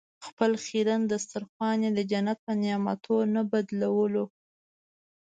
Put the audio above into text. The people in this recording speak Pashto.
خپل خیرن دسترخوان یې د جنت په نعمتونو نه بدلولو.